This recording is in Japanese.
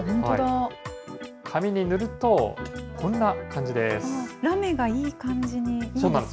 紙に塗ると、こんな感じです。